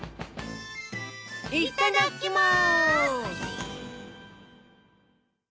いっただっきます！